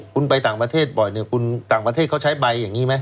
คุณไปต่างประเทศบ่อยเนี่ยคุณต่างประเทศเขาใช้ใบอย่างนี้ไหม